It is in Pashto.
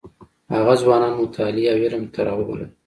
هغه ځوانان مطالعې او علم ته راوبلل.